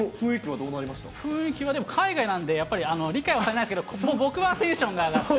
雰囲気はでも、海外なんで、やっぱり理解は得られないですけど、僕はテンションは上がって。